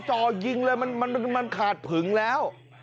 จ่อยิงเลยมันขาดผึงแล้ว